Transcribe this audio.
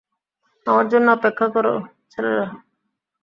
আমার জন্য অপেক্ষা কর, ছেলেরা!